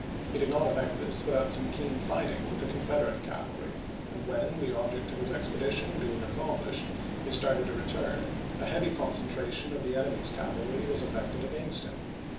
He did not effect this without some keen fighting with the Confederate cavalry, and when, the object of his expedition being accom plished, he started to return, a heavy concentra tion of the enemy's cavalry was effected against him.